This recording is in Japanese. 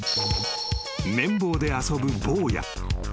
［綿棒で遊ぶ坊や］